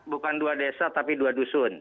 bukan dua desa tapi dua dusun